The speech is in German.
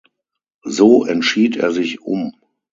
So entschied er sich um.